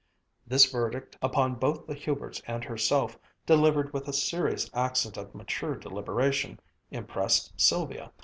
This verdict, upon both the Huberts and herself, delivered with a serious accent of mature deliberation, impressed Sylvia.